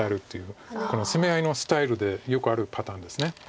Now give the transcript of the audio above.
この攻め合いのスタイルでよくあるパターンです。